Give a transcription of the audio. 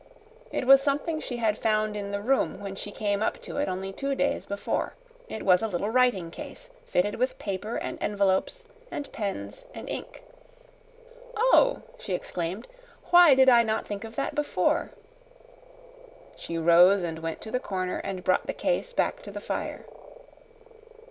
It was something she had found in the room when she came up to it only two days before. It was a little writing case fitted with paper and envelopes and pens and ink. "Oh," she exclaimed, "why did I not think of that before?" She rose and went to the corner and brought the case back to the fire.